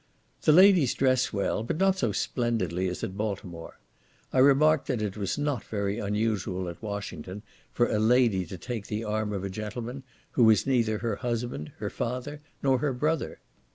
The ladies dress well, but not so splendidly as at Baltimore. I remarked that it was not very unusual at Washington for a lady to take the arm of a gentleman, who was neither her husband, her father, nor her brother.